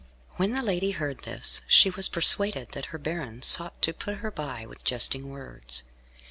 When the lady heard this, she was persuaded that her baron sought to put her by with jesting words.